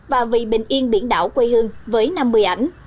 và vì bình yên biển đảo quê hương với năm mươi ảnh